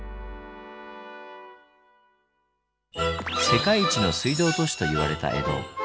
世界一の水道都市と言われた江戸。